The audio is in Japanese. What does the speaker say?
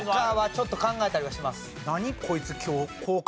ちょっと考えたりはします。